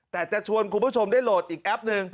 แต่จะชวนคุณผู้ชมได้โหลดอีกแอปหนึ่ง